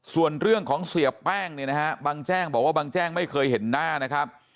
ส่วนเรื่องของเสียแป้งเนี่ยนะฮะบางแจ้งบอกว่าบางแจ้งไม่เคยเห็นหน้านะครับ